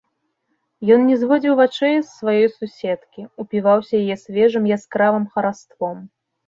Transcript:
Ён не зводзіў вачэй з сваёй суседкі, упіваўся яе свежым яскравым хараством.